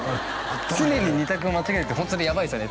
常に２択を間違えるってホントにやばいですよね